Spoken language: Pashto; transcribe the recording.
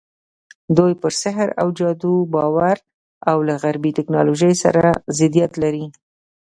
دوی پر سحر او جادو باور او له غربي ټکنالوژۍ سره ضدیت لري.